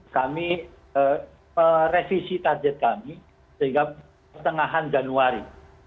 kami revisi target kami sehingga pertengahan januari